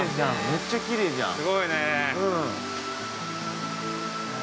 むっちゃきれいじゃん。